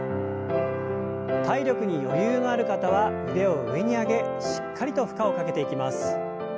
体力に余裕のある方は腕を上に上げしっかりと負荷をかけていきます。